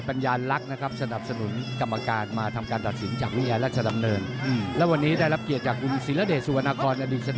ปัญญาลักษณ์นะครับสนับสนุนกรรมการมาทำการตัดสินจากวิทยาราชดำเนินและวันนี้ได้รับเกียรติจากคุณศิลเดชสุวรรณครอดีตสนา